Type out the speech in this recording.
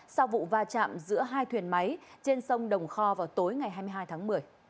sau vụ va chạm giữa hai thuyền máy trên sông đồng kho vào tối ngày hai mươi hai tháng một mươi